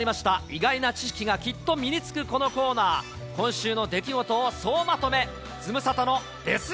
意外な知識がきっと身につくこのコーナー、今週の出来事を総まとめ。